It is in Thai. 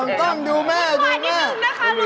สั่งวาดนี้หนึ่งนะคะลูก